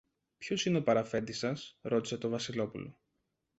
Ποιος είναι ο παραφέντης σας; ρώτησε το Βασιλόπουλο.